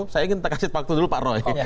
saya ingin kasih waktu dulu pak roy